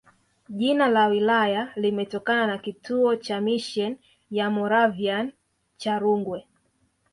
Jina la wilaya limetokana na kituo cha misheni ya Moravian cha Rungwe